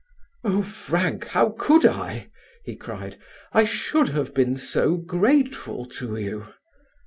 "Oh, Frank, how could I?" he cried. "I should have been so grateful to you."